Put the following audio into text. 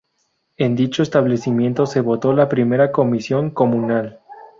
En dicho establecimiento se votó la primera comisión comunal.